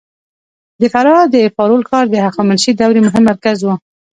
د فراه د فارول ښار د هخامنشي دورې مهم مرکز و